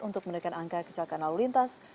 untuk menekan angka kecelakaan lalu lintas